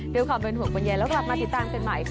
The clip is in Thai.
ด้วยความเป็นห่วงบรรยายแล้วกลับมาติดตามกันใหม่ค่ะ